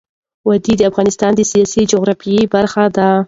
وادي د افغانستان د سیاسي جغرافیه برخه ده.